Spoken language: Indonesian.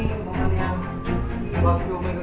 ini umpamanya waktu mengikuti seri kejuaraan dunia